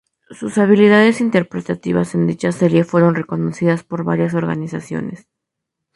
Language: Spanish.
Sus habilidades interpretativas en dicha serie fueron reconocidas por varias organizaciones.